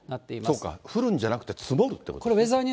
そうか、降るんじゃなくて、積もるっていうことですね。